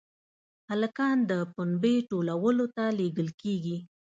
هلکان د پنبې ټولولو ته لېږل کېږي.